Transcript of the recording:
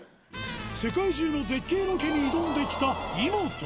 世界中の絶景ロケに挑んできたイモト。